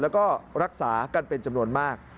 แล้วก็รักษากันเป็นจำนวนมาก